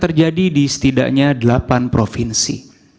terjadi di setidaknya delapan provinsi